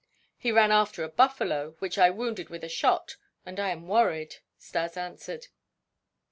"He ran after a buffalo which I wounded with a shot, and I am worried," Stas answered.